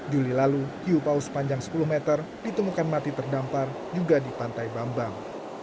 juli lalu hiu paus panjang sepuluh meter ditemukan mati terdampar juga di pantai bambang